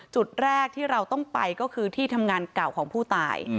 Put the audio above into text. จุดแรกที่เราต้องไปก็คือที่ทำงานเก่าของผู้ตาย